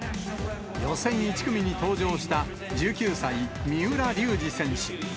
予選１組に登場した１９歳、三浦龍司選手。